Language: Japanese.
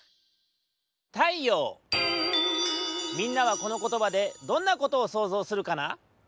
みんなはこのことばでどんなことをそうぞうするかな？